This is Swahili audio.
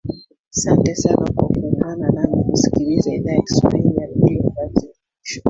sante sana kwa kuungana nami kusikiliza idhaa ya kiswahili ya redio france international